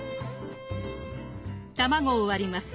卵を割ります。